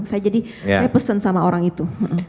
saya jadi saya pesen sama orang itu